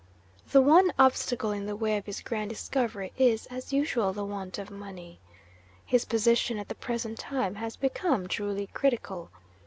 The one obstacle in the way of his grand discovery is, as usual, the want of money. His position at the present time has become truly critical.